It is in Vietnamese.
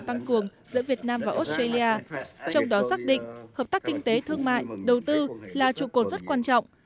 tăng cường giữa việt nam và australia trong đó xác định hợp tác kinh tế thương mại đầu tư là trụ cột rất quan trọng